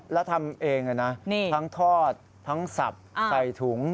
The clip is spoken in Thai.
แล้วทำเองเลยนะทั้งทอดทั้งสับใส่ถุง